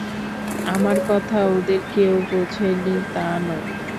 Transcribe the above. –আমার কথা ওদের কেউ বোঝে নি তা নয়।